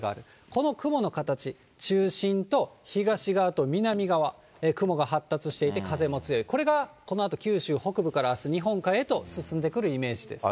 この雲の形、中心と東側と南側、雲が発達していて風も強い、これがこのあと、九州北部から、あす、日本海へと進んでくるイメージです。